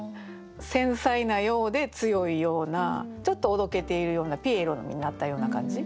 繊細なようで強いようなちょっとおどけているようなピエロになったような感じ。